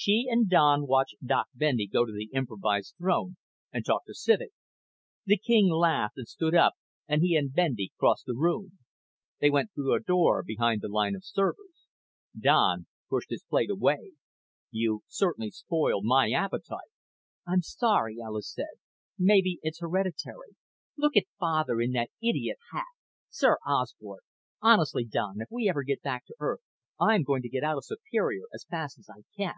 She and Don watched Doc Bendy go to the improvised throne and talk to Civek. The king laughed and stood up and he and Bendy crossed the room. They went through a door behind the line of servers. Don pushed his plate away. "You've certainly spoiled my appetite." "I'm sorry," Alis said. "Maybe it's hereditary. Look at Father in that idiot hat. Sir Osbert! Honestly, Don, if we ever get back to Earth I'm going to get out of Superior as fast as I can.